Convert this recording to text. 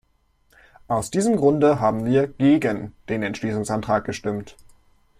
Aus diesem Grunde haben wir gegen den Entschließungsantrag gestimmt.